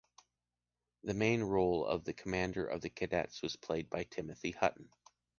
The main role of the commander of the cadets was played by Timothy Hutton.